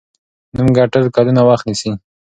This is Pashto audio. نوم ګټل کلونه وخت نیسي.